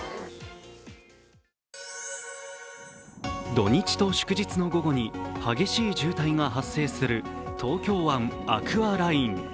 土日と祝日の午後に激しい渋滞が発生する東京湾アクアライン。